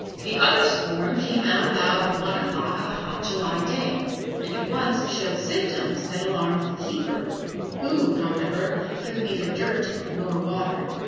The other swarm came out about one o'clock of a hot July day, and at once showed symptoms that alarmed the keeper, who, however, threw neither dirt nor water.